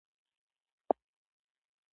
د خج ډولونه باید مطالعه سي.